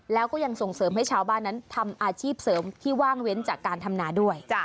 แล้วก็ยังส่งเสริมให้ชาวบ้านนั้นทำอาชีพเสริมที่ว่างเว้นจากการทำนาด้วย